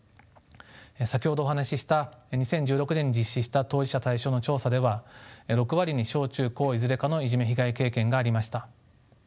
先ほどお話しした２０１６年に実施した当事者対象の調査では６割に小中高いずれかのいじめ被害経験がありました。